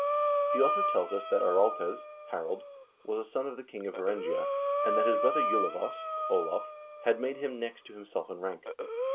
1 The author tells us that Araltes (Harald) was a son of the king of Varangia, and that his brother Julavos (Olav) had made him next to himself in rank.